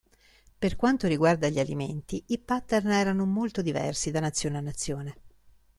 Per quanto riguarda gli alimenti i pattern erano molto diversi da nazione a nazione.